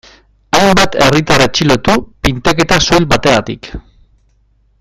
Hainbat herritar atxilotu pintaketa soil bategatik.